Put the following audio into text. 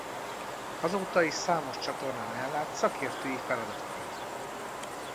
Azóta is számos csatornán ellát szakértői feladatokat.